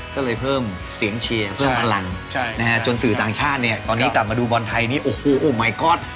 ก็เลยเพิ่มเสียงเชียร์เพิ่มพลังจนสื่อต่างชาติเนี่ยตอนนี้กลับมาดูบอลไทยนี่โอ้โหไมก๊อต